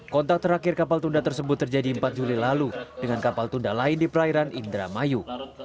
kontak terakhir kapal tunda tersebut terjadi empat juli lalu dengan kapal tunda lain di perairan indramayu